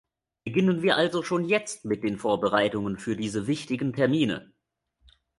Beginnen wir also schon jetzt mit den Vorbereitungen für diese wichtigen Termine.